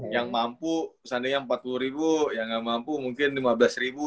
yang mampu seandainya empat puluh ribu yang nggak mampu mungkin lima belas ribu